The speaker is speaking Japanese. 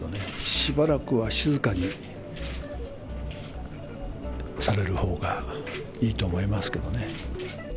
しばらくは静かにされる方がいいと思いますけどね。